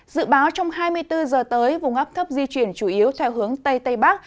dự báo trong hai mươi bốn giờ tới vùng áp thấp di chuyển chủ yếu theo hướng tây tây bắc